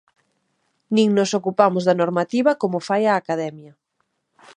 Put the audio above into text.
Nin nos ocupamos da normativa como fai a Academia.